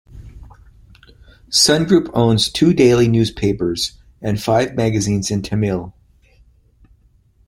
Sun Group owns two daily newspapers and five magazines in Tamil.